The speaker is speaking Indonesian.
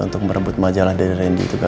untuk merebut majalah dari rendy itu gagal